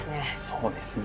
そうですね。